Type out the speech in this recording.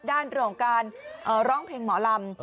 ด้านเรื่องการร้องเพลงหมอลำ